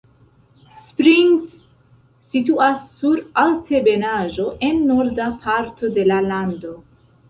Springs situas sur altebenaĵo en norda parto de la lando.